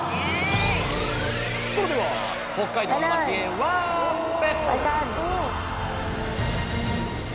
それでは北海道のまちへワープ！